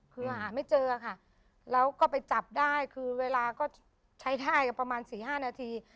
คือหาไม่เจอค่ะแล้วก็ไปจับได้คือเวลาก็ใช้ท่ายกันประมาณ๔๕นาที